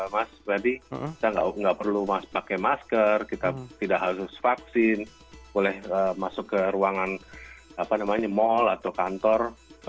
mas berarti kita nggak perlu pakai masker kita tidak harus vaksin boleh masuk ke ruangan mal atau kantor